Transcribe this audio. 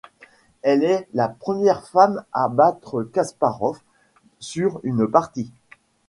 Elle est la première femme à battre Kasparov sur une partie.